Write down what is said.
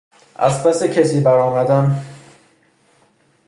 از پس کسی برآمدن